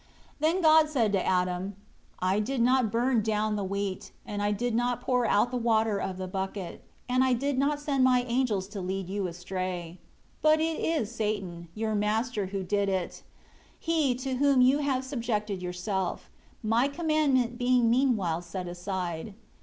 4 Then God said to Adam, "I did not burn down the wheat, and I did not pour the water out of the bucket, and I did not send My angels to lead you astray. 5 But it is Satan, your master who did it; he to whom you have subjected yourself; my commandment being meanwhile set aside.